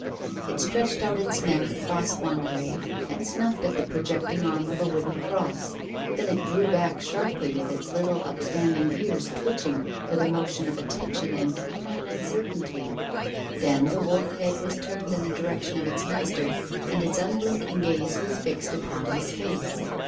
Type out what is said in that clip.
It stretched out its neck across one grave and snuffed at the projecting arm of a wooden cross. Then it drew back sharply with its little upstanding ears twitching with a motion of attention and canine uncertainty. Then the wolf head was turned in the direction of its master, and its unblinking gaze was fixed upon his face.